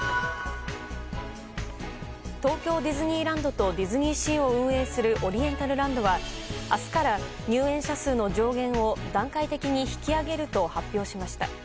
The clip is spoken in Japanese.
東京ディズニーランドとディズニーシーを運営するオリエンタルランドは明日から入園者数の上限を段階的に引き上げると発表しました。